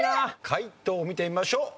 解答を見てみましょう。